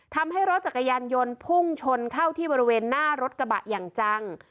ทำให้รถจักรยานยนต์พุ่งชนเข้าที่บริเวณหน้ารถกระบะอย่างจัง